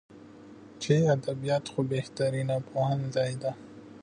چې ادبيات خو بهترينه پوهنځۍ ده.